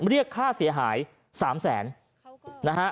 เรียกค่าเสียหาย๓แสนนะฮะ